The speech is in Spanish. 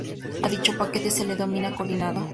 A dicho paquete se le denomina "coordinado".